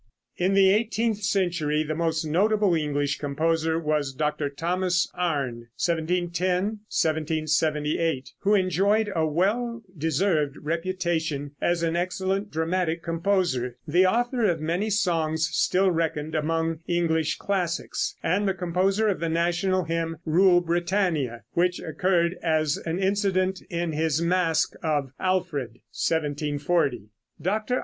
] In the eighteenth century the most notable English composer was Dr. Thomas Arne (1710 1778), who enjoyed a well deserved reputation as an excellent dramatic composer, the author of many songs still reckoned among English classics, and the composer of the national hymn "Rule Britannia," which occurred as an incident in his masque of "Alfred," 1740. Dr.